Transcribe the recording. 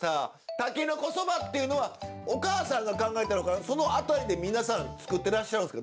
たけのこそばっていうのはおかあさんが考えたのかその辺りで皆さん作ってらっしゃるんですか？